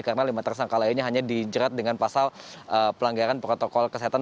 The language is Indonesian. karena lima tersangka lainnya hanya dijerat dengan pasal pelanggaran protokol kesehatan